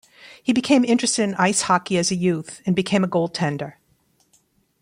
He became interested in ice hockey as a youth and became a goaltender.